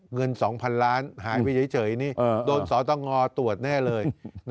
เงินสองพันล้านบาทหายไปเฉยโดนสตงตรวจแน่เลย